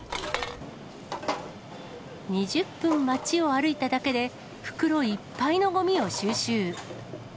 ２０分街を歩いただけで袋いっぱいのごみを収集。